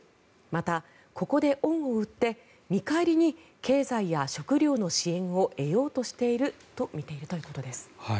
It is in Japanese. また、ここで恩を売って見返りに経済や食糧の支援を得ようとしていると見ているということです。